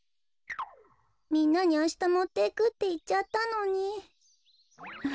みんなにあしたもっていくっていっちゃったのに。